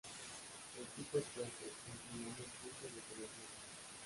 El pico es fuerte, terminado en punta y de color negro.